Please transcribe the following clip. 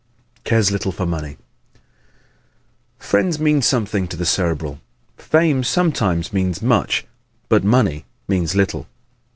Cares Little for Money ¶ Friends mean something to the Cerebral, fame sometimes means much but money means little.